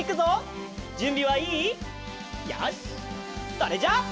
それじゃあ。